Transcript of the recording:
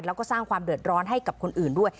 แล้วก็สร้างความเดือดร้อนให้กับคนอื่นด้วย